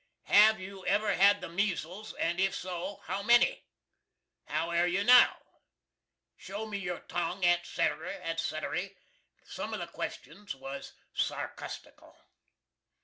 Have you ever had the measles, and if so, how many? How air you now? Show me your tongue, &c., &c. Sum of the questions was sarcusstical.